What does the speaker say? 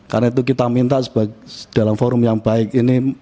karena itu kita minta dalam forum yang baik ini